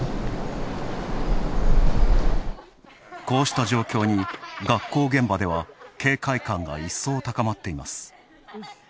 こうした状況に学校現場では警戒感が一層、高まっています。